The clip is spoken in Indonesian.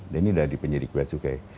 dan ini dari penyelidik beacuk ya